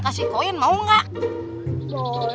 tapi gimana namanya aerial gravitas